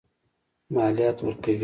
مالیات ورکوي.